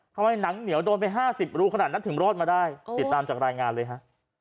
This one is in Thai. ทำไมหนังเหนียวโดนไป๕๐รูขนาดนั้นถึงรอดมาได้ติดตามจากรายงานเลยฮะ